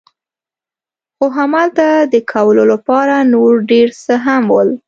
خو همالته د کولو لپاره نور ډېر څه هم ول.